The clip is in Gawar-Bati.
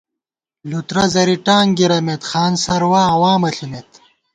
لُترہ زری ٹانک گِرَمېت ، خانسروا عوامہ ݪمېت